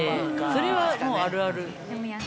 それはもうあるある。